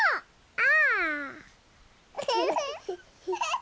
あ！